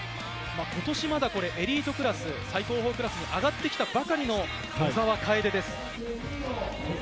今年まだエリートクラス、最高峰クラスに上がってきたばかりの小澤楓です。